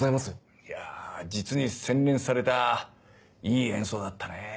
いや実に洗練されたいい演奏だったね。